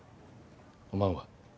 おまんは？